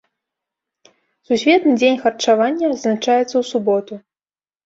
Сусветны дзень харчавання адзначаецца ў суботу.